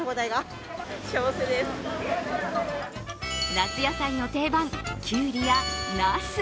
夏野菜の定番、きゅうりやなす。